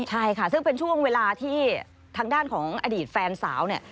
ใช่ค่ะซึ่งเป็นช่วงเวลาที่ทางด้านของอดีตแฟนสาวเนี่ย